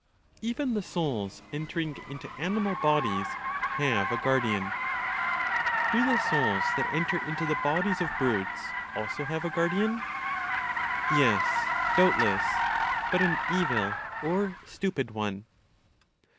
EVEN THE SOULS ENTERING INTO ANIMAL BODIES HAVE A GUARDIAN. Do the souls that enter into the bodies of brutes also have a guardian? Yes, doubtless, but an evil or stupid one.